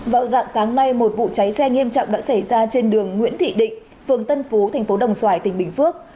vào dạng sáng nay một vụ cháy xe nghiêm trọng đã xảy ra trên đường nguyễn thị định phường tân phú thành phố đồng xoài tỉnh bình phước